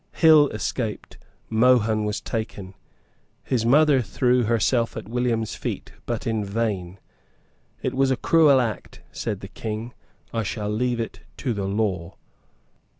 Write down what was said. Hill escaped. Mohun was taken. His mother threw herself at William's feet, but in vain. "It was a cruel act," said the King; "I shall leave it to the law."